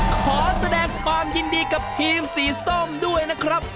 ขอแสดงความยินดีกับทีมสีส้มด้วยนะครับ